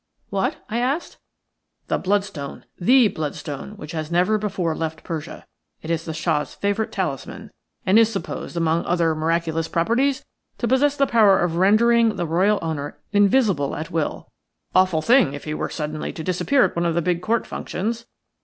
"What?" I asked. "The bloodstone. The bloodstone, which has never before left Persia. It is the Shah's favourite talisman, and is supposed, among other miraculous properties, to possess the power of rendering the Royal owner invisible at will. Awful thing if he were suddenly to disappear at one of the big Court functions.